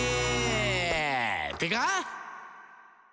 「ってか！」